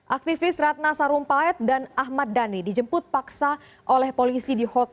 aktivis ratna sarumpait dan ahmad dhani dijemput paksa oleh polisi di hotel